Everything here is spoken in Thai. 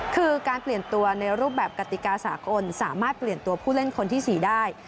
คือการเปลี่ยนตัวในรูปแบบกติกาสากลสามารถเปลี่ยนตัวผู้เล่นคนที่๔ได้